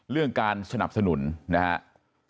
เรื่องการสนับสนุนนะครับ